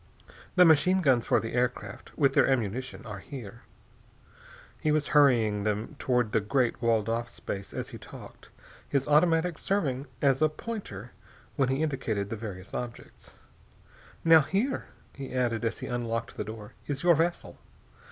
The machine guns for the air craft, with their ammunition, are here...." He was hurrying them toward the great walled off space as he talked, his automatic serving as a pointer when he indicated the various objects. "Now, here," he added as he unlocked the door, "is your vessel.